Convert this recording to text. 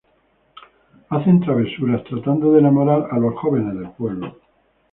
Hacen travesuras, tratando de "enamorar" a los jóvenes del pueblo.